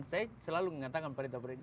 saya selalu mengatakan perintah perintah